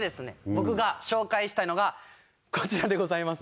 僕が紹介したいのがこちらでございます。